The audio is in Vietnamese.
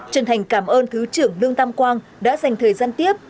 chân thành cảm ơn thứ trưởng lương tam quang đã dành thời gian tiếp